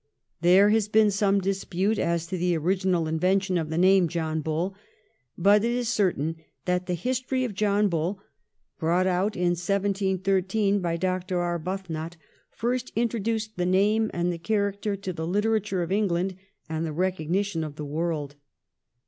There has been some dispute as to the original invention of the name John Bull ; but it is certain that the 'History of John Bull,' brought out in 1713 by Dr. Arbuthnot, first intro duced the name and the character to the literature of England and the recognition of the world.